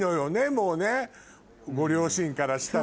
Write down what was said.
もうねご両親からしたら。